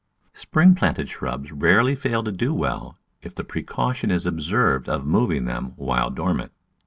Spring planted shrubs rarely fail to do well if the precaution is observed of moving them while dor mant.